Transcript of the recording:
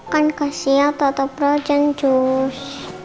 kan kasian tante frozen cus